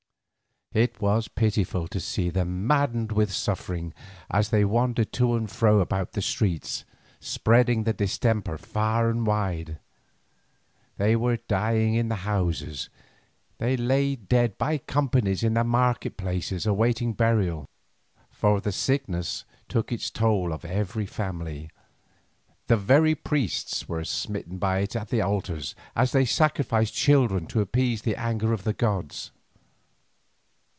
It was pitiful to see them maddened with suffering, as they wandered to and fro about the streets, spreading the distemper far and wide. They were dying in the houses, they lay dead by companies in the market places awaiting burial, for the sickness took its toll of every family, the very priests were smitten by it at the altar as they sacrificed children to appease the anger of the gods.